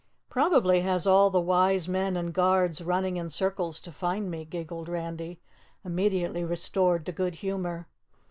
"Probably has all the wise men and guards running in circles to find me," giggled Randy, immediately restored to good humor.